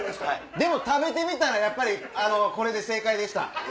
でも食べてみたらこれで正解でした。